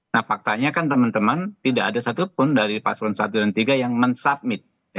nah faktanya kan teman teman tidak ada satupun dari paslon satu dan tiga yang men submit